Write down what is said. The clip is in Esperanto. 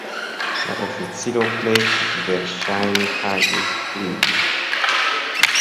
La oficiro plej verŝajne pagis plie.